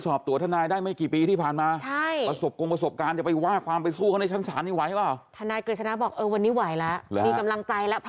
สำนักงานตำรวจแห่งชาติได้ทำครบหรือยังนะครับ